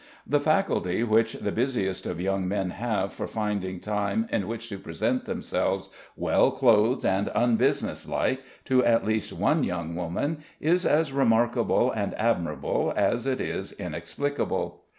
The faculty which the busiest of young men have for finding time in which to present themselves, well clothed and unbusiness like, to at least one young woman, is as remarkable and admirable as it is inexplicable.